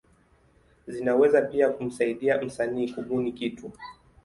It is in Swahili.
Zinaweza pia kumsaidia msanii kubuni kitu.